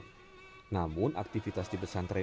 selalu pelrod pahlawan dengan ulang batin